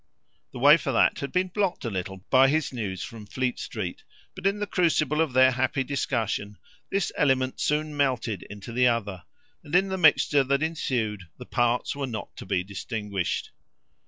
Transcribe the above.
The way for that had been blocked a little by his news from Fleet Street; but in the crucible of their happy discussion this element soon melted into the other, and in the mixture that ensued the parts were not to be distinguished.